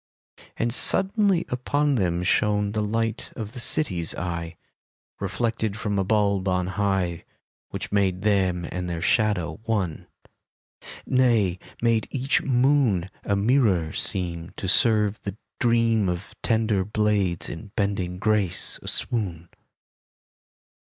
And suddenly upon them shone The light of the City's eye, Reflected from a buib on high. Which made them and their shadow one. Nay, made each moon A mirror seem To serve the dream Of tender blades in bending grace a swoon.